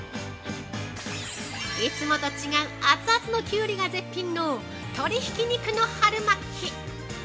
◆いつもと違う熱々のキュウリが絶品の鶏ひき肉の春巻き。